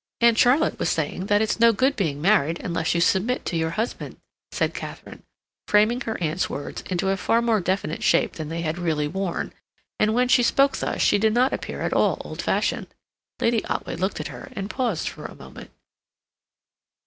"Aunt Charlotte was saying that it's no good being married unless you submit to your husband," said Katharine, framing her aunt's words into a far more definite shape than they had really worn; and when she spoke thus she did not appear at all old fashioned. Lady Otway looked at her and paused for a moment.